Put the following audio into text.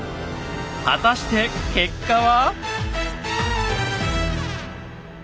果たして結果は。